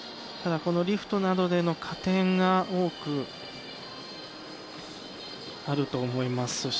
リフトなどでの加点が多くあると思います。